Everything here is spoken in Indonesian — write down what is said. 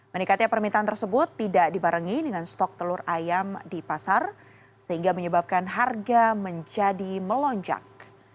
meningkatnya permintaan tersebut tidak dibarengi dengan stok telur ayam di pasar sehingga menyebabkan harga menjadi melonjak